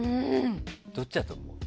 どっちだと思う？